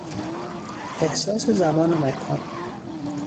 احساس زمان و مکان